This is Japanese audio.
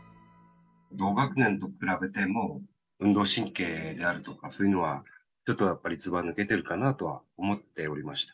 同学年と比べても、運動神経であるとか、そういうのはちょっとやっぱりずばぬけてるかなとは思っておりました。